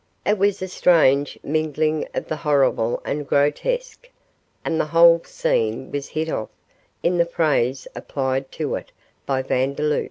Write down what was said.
It was a strange mingling of the horrible and grotesque, and the whole scene was hit off in the phrase applied to it by Vandeloup.